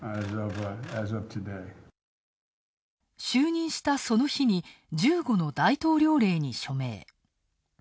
就任したその日に、１５の大統領令に署名。